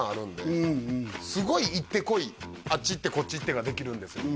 すごい行ってこいあっち行ってこっち行ってができるんですよ